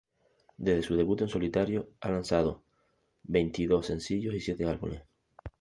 Desde su debut en solitario, ha lanzado veintidós sencillos y siete álbumes.